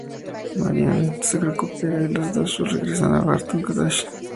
Marianne se recupera y las Dashwood regresan a Barton Cottage.